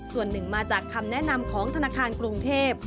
ส่วนหนึ่งมาจากคำแนะนำของธนาคารกรุงเทพ